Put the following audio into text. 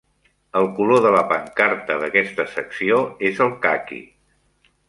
El color de la pancarta d'aquesta secció és el caqui.